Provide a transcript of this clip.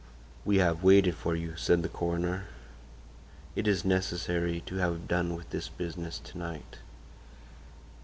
"We have waited for you," said the coroner. "It is necessary to have done with this business to night."